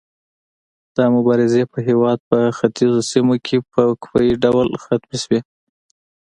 دا مبارزې په هیواد په ختیځو سیمو کې په وقفه يي ډول ختمې شوې.